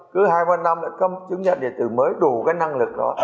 cứ hai mươi năm lại cấp chứng nhận điện tử mới đủ cái năng lực đó